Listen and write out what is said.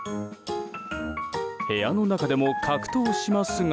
部屋の中でも格闘しますが。